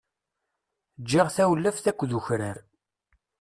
Giɣ tawlaft akked ukrar.